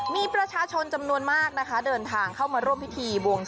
มีประชาชนจำนวนมากนะคะเดินทางเข้ามาร่วมพิธีบวงส